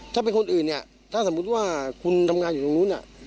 ถ้าเป็นคนอื่นเนี่ยถ้าสมมุติว่าคุณทำงานอยู่ตรงนู้น